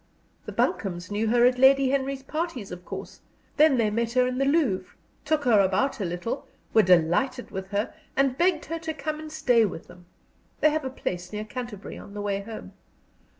The Buncombes knew her at Lady Henry's parties, of course. Then they met her in the Louvre, took her about a little, were delighted with her, and begged her to come and stay with them they have a place near Canterbury on the way home.